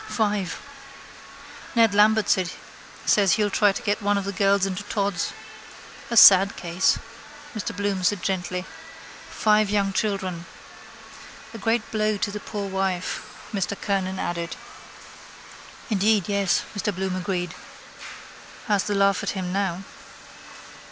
—Five. Ned Lambert says he'll try to get one of the girls into Todd's. —A sad case, Mr Bloom said gently. Five young children. —A great blow to the poor wife, Mr Kernan added. —Indeed yes, Mr Bloom agreed. Has the laugh at him now.